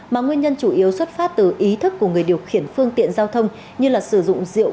mà nguyên nhân chủ yếu xuất phát từ ý thức của người điều khiển phương tiện giao thông như là sử dụng rượu